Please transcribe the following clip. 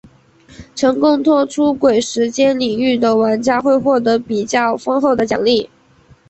成功脱出鬼时间领域的玩家会获得比较丰厚的奖励。